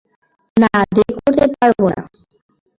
না, দেরি করতে পারব না।